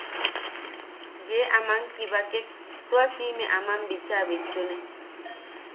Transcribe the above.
Yee aman kibakek tua siʼime aman bichaa bitchune.